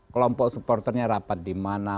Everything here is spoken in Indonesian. kelompok supporternya rapat di mana